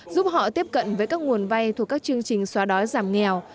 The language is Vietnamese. giúp họ tiếp cận với các nguồn vay thuộc các chương trình xóa đói giảm nghèo